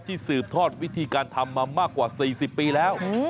สืบทอดวิธีการทำมามากกว่า๔๐ปีแล้ว